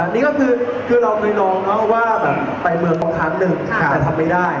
นี่ก็คือเราเคยน้องว่าไปเมืองต่อครั้งหนึ่งแต่ทำไม่ได้